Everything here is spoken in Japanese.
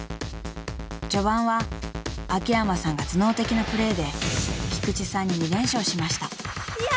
［序盤は秋山さんが頭脳的なプレーで菊地さんに２連勝しました］